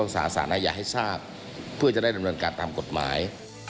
สารอาญาให้ทราบเพื่อจะได้ดำเนินการตามกฎหมาย